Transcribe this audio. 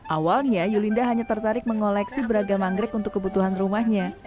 awalnya yulinda hanya tertarik mengoleksi beragam anggrek untuk kebutuhan rumahnya